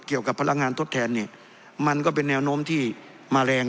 เกี่ยวกับพลังงานทดแทนเนี่ยมันก็เป็นแนวโน้มที่มาแรง